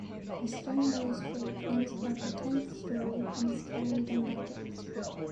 A stone balustrade runs above the tenth story and is carried on brackets.